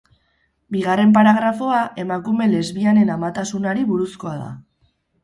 Bigarren paragrafoa emakume lesbianen amatasunari buruzkoa da.